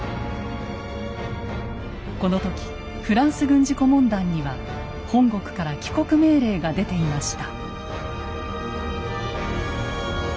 この時フランス軍事顧問団には本国から帰国命令が出ていました。